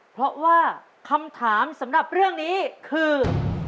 เพราะว่าคำถามสำหรับเรื่องนี้คือ